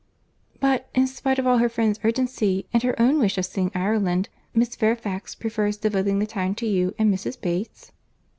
"But, in spite of all her friends' urgency, and her own wish of seeing Ireland, Miss Fairfax prefers devoting the time to you and Mrs. Bates?"